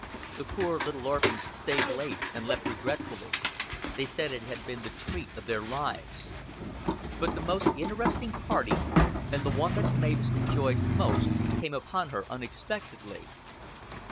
The poor little orphans stayed late, and left regretfully. They said it had been the treat of their lives. But the most interesting party and the one that Mavis enjoyed most came upon her unexpectedly.